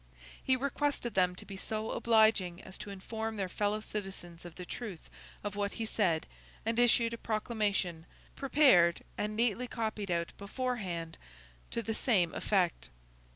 He requested them to be so obliging as to inform their fellow citizens of the truth of what he said, and issued a proclamation (prepared and neatly copied out beforehand) to the same effect.